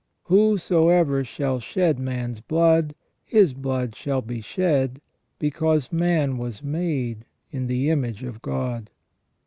" Whosoever shall shed man's blood, his blood shall be shed; because man was made in the image of God."